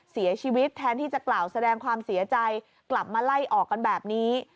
แทนที่จะกล่าวแสดงความเสียใจกลับมาไล่ออกกันแบบนี้